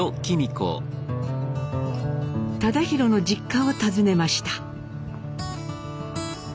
忠宏の実家を訪ねました。